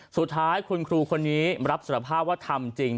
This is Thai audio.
สุดท้ายคุณครูคนนี้รับสารภาพว่าทำจริง